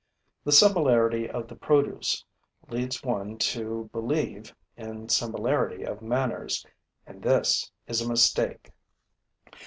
The similarity of the produce leads one to believe in similarity of manners; and this is a mistake.